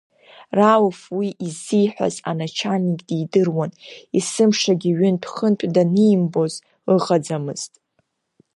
Рауф уи иззиҳәаз аначальник дидыруан, есымшагьы ҩынтә-хынтә данимбоз ыҟаӡамызт.